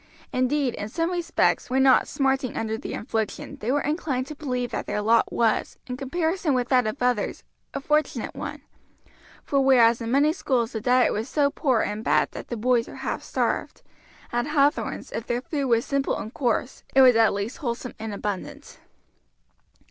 Indeed, in some respects, when not smarting under the infliction, they were inclined to believe that their lot was, in comparison with that of others, a fortunate one; for whereas in many schools the diet was so poor and bad that the boys were half starved, at Hathorn's if their food was simple and coarse it was at least wholesome and abundant.